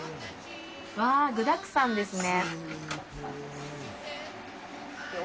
わぁ具だくさんですね。